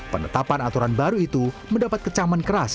penetapan aturan baru itu mendapat kecaman keras